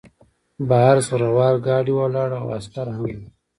بهر زغره وال ګاډی ولاړ و او عسکر هم وو